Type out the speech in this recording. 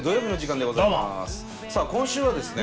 さあ今週はですね